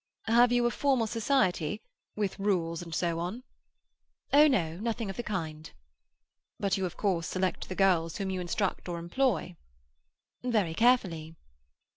"Have you a formal society, with rules and so on?" "Oh no; nothing of the kind." "But you of course select the girls whom you instruct or employ?" "Very carefully."